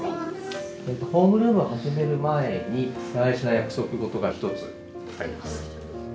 ホームルームを始める前に大事な約束事が一つあります。